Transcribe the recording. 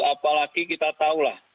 apalagi kita tahulah